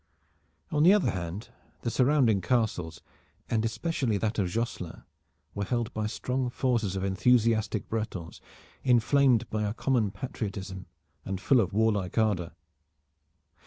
On the other hand, the surrounding castles, and especially that of Josselin, were held by strong forces of enthusiastic Bretons, inflamed by a common patriotism, and full of warlike ardor.